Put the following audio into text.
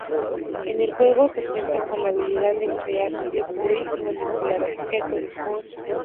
En el juego se cuenta con la habilidad de crear, destruir y manipular objetos.